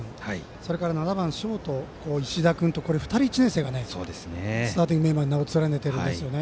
それから７番ショートの石田君と２人、１年生がスターティングメンバーに名を連ねているんですね。